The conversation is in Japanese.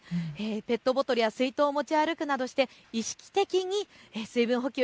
ペットボトルや水筒を持ち歩くなどして意識的に水分補給